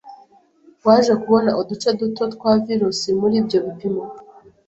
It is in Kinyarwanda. waje kubona uduce duto twa virusi muri ibyo bipimo,